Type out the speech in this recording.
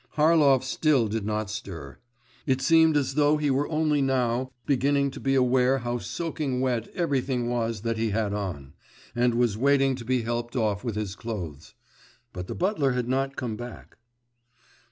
Harlov still did not stir. It seemed as though he were only now beginning to be aware how soaking wet everything was that he had on, and was waiting to be helped off with his clothes. But the butler had not come back.